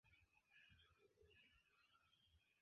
Jen la perantoj inter la kodo kaj ekrano aŭ presilo.